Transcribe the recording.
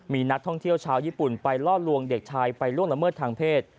มีนักท่องเที่ยวชาวญี่ปุ่นไปล่อลวงเด็กชายไปล่วงละเมิดทางเพศ